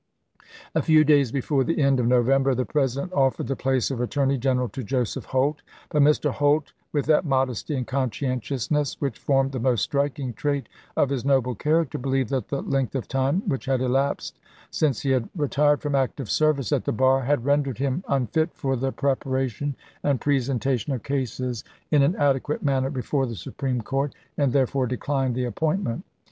A few days before the end of November the President offered the place of Attorney General to Joseph Holt ; but Mr. Holt, with that modesty and conscientiousness which formed the most striking trait of his noble character, believed that the length of time which had elapsed since he had retired from active service at the bar had rendered him unfit for the preparation and presentation of cases CABINET CHANGES 347 in an adequate manner before the Supreme Court, and therefore declined the appointment.